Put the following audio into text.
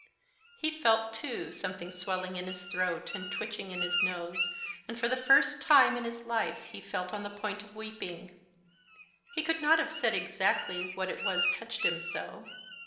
He felt, too, something swelling in his throat and twitching in his nose, and for the first time in his life he felt on the point of weeping. He could not have said exactly what it was touched him so.